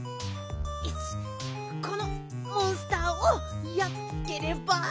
このモンスターをやっつければ。